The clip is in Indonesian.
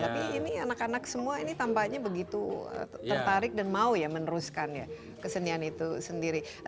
tapi ini anak anak semua ini tampaknya begitu tertarik dan mau ya meneruskan ya kesenian itu sendiri